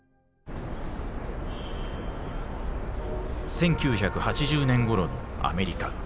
１９８０年ごろのアメリカ。